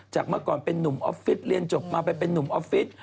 เมื่อก่อนเป็นนุ่มออฟฟิศเรียนจบมาไปเป็นนุ่มออฟฟิศ